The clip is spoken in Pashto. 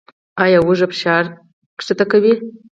ایا هوږه فشار ټیټوي؟